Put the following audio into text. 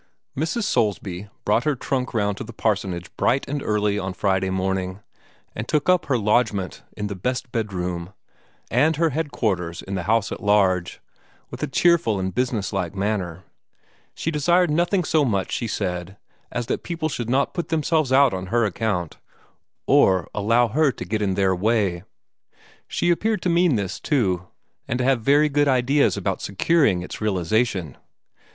Mrs. Soulsby brought her trunk round to the parsonage bright and early on Friday morning, and took up her lodgement in the best bedroom, and her headquarters in the house at large, with a cheerful and business like manner. She desired nothing so much, she said, as that people should not put themselves out on her account, or allow her to get in their way. She appeared to mean this, too, and to have very good ideas about securing its realization.